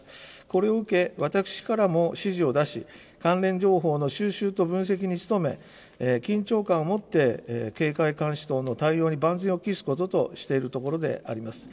これを受け、私からも指示を出し、関連情報の収集と分析に努め、緊張感を持って警戒監視等の対応に万全を期すこととしているところであります。